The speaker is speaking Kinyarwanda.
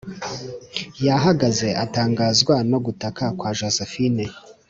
yahagaze atangazwa no gutaka kwa josephine;